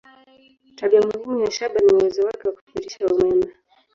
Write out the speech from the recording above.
Tabia muhimu ya shaba ni uwezo wake wa kupitisha umeme.